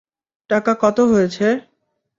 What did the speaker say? টাকা কত হয়েছে?